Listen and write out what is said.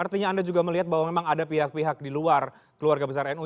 artinya anda juga melihat bahwa memang ada pihak pihak di luar keluarga besar nu